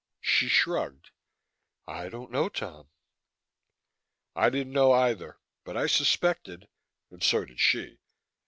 She shrugged. "I don't know, Tom." I didn't know either, but I suspected and so did she.